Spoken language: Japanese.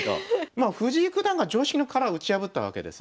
まあ藤井九段が常識の殻打ち破ったわけですね。